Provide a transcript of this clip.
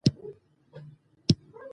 موږ باید د کورنۍ ټولو غړو ته پام وکړو